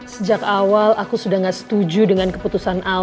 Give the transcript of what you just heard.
sejak awal aku sudah gak setuju dengan keputusan awal